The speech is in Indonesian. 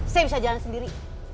saya bisa jalan sendiri